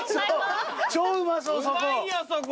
超うまそうそこ。